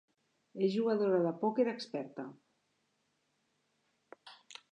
És jugadora de pòquer experta.